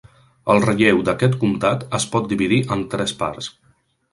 El relleu d'aquest comtat es pot dividir en tres parts.